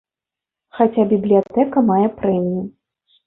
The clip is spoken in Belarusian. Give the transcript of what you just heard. Хаця бібліятэка мае прэмію.